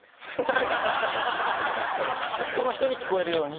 この人に聞こえるように。